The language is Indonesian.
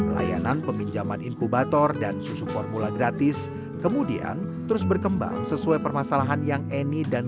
layanan peminjaman inkubator dan susu formula gratis kemudian terus berkembang sesuai permasalahan yang eni dan